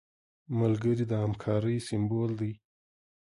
ملګری د همکارۍ سمبول دی